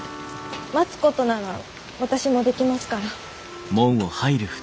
待つことなら私もできますから。